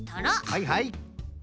はいはい。